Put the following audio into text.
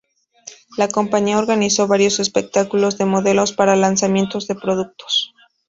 La compañía organizó varios espectáculos de modelos para lanzamientos de productos.